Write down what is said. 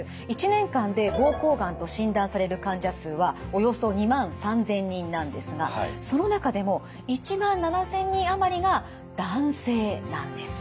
１年間で膀胱がんと診断される患者数はおよそ２万３，０００人なんですがその中でも１万７，０００人余りが男性なんです。